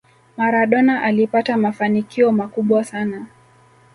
maradona alipata mafanikio makubwa sana